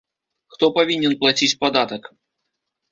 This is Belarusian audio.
Хто павінен плаціць падатак?